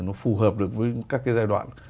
nó phù hợp được với các cái giai đoạn